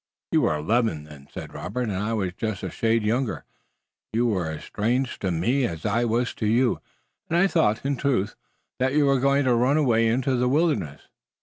"You were eleven then," said Robert, "and I was just a shade younger. You were as strange to me as I was to you, and I thought, in truth, that you were going to run away into the wilderness.